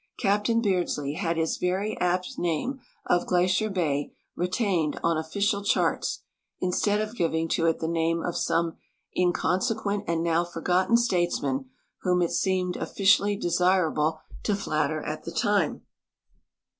'a|)tain Beardslee had his very apt name of Glacier ba}' retained on official charts, instead of giving to it the name of some inconsequent and now forgotten statesman whom it seemed oflicially desirable to flatter at the time.